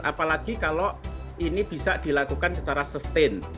apalagi kalau ini bisa dilakukan secara sustain